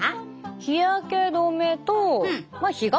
日焼け止めとまあ日傘。